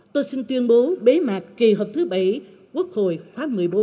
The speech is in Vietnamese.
tôi xin tuyên bố bế mạc kỳ họp thứ bảy quốc hội khóa một mươi bốn